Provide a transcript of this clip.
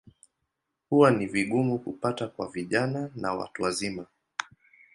Huwa ni vigumu kupata kwa vijana na watu wazima.